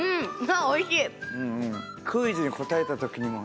あおいしい。